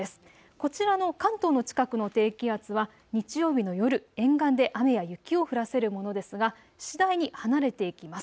こちらの関東の近くの低気圧は日曜日の夜、沿岸で雨や雪を降らせるものですが次第に離れていきます。